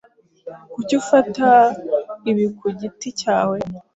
Kuki ufata ibi kugiti cyawe?